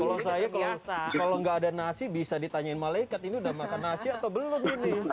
kalau saya kalau nggak ada nasi bisa ditanyain malaikat ini udah makan nasi atau belum ini